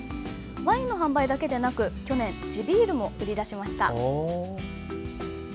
ワインの販売だけでなく、去年地ビールも売り出しました。